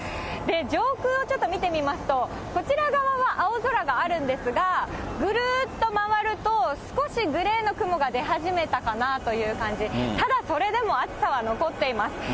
上空をちょっと見てみますと、こちら側は青空があるんですが、ぐるっと回ると、少しグレーの雲が出始めたかなという感じ、ただそれでも暑さは残っています。